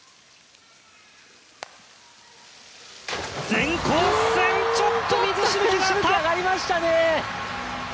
全紅嬋、ちょっと水しぶきが上がった。